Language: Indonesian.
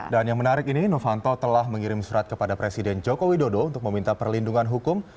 dan yang menarik ini novanto telah mengirim surat kepada presiden jokowi dodo untuk meminta perlindungan hukum